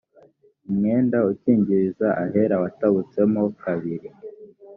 umwenda ukingiriza ahera watabutsemo kabiri